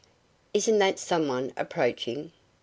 Isn't that some one approaching?"